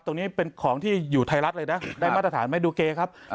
ตรงนี้เป็นของที่อยู่ไทยรัฐเลยนะได้มาตรฐานไหมดูเกย์ครับ